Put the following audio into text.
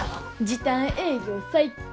時短営業最高。